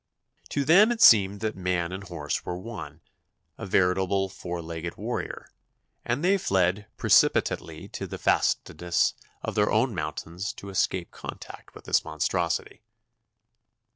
To them it seemed that man and horse were one, a veritable four legged warrior, and they fled precipitately to the fastnesses of their own mountains to escape contact with this monstrosity.